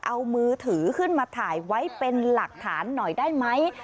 เอามือถือขึ้นมาถ่ายไว้เป็นหลักฐานหน่อยได้ไหม